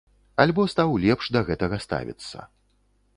Альбо стаў лепш да гэтага ставіцца.